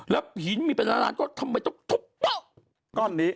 แล้วหินมีเป็นอะไรก็ทำไมต้องทุบก้อนนี้